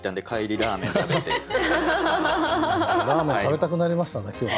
ラーメン食べたくなりましたね今日。